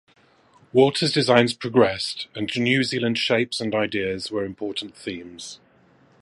Walters' designs progressed and New Zealand shapes and ideas were important themes.